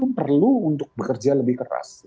itu kan perlu untuk bekerja lebih keras